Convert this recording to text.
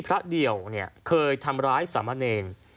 พระเดี่ยวเคยทำร้ายสามประเด็น